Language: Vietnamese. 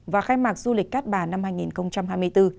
và khai mạc du lịch cát bà năm hai nghìn hai mươi bốn